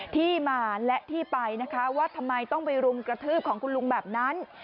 ที่มาและที่ไปนะคะว่าทำไมต้องไปรุมกระทืบของคุณลุงแบบนั้น